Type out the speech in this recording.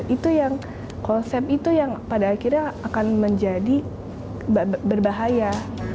itu yang konsep itu yang pada akhirnya akan menjadi berbahaya